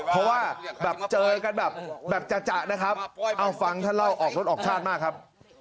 เพราะว่าแบบเจอกันแบบจะนะครับเอาฟังท่านเล่าออกรถออกชาติมากครับ